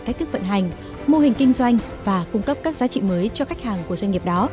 cách thức vận hành mô hình kinh doanh và cung cấp các giá trị mới cho khách hàng của doanh nghiệp đó